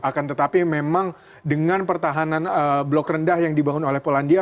akan tetapi memang dengan pertahanan blok rendah yang dibangun oleh polandia